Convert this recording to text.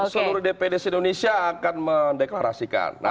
seluruh dpd indonesia akan mendeklarasikan